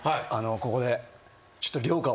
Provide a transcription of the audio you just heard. ここでちょっと。